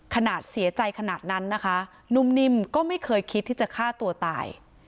ขนาดเสียใจขนาดนั้นนะคะนุ่มนิ่มก็ไม่เคยคิดที่จะฆ่าตัวตาย